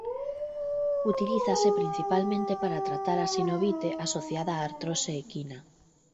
Utilízase principalmente para tratar a sinovite asociada a artrose equina.